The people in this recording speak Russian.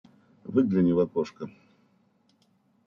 Выгляни в окошко.